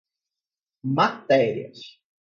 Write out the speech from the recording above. matérias